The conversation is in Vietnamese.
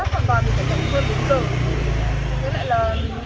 với lại là nước khoáng để cho để hỗ trợ bên đội cứu hỏa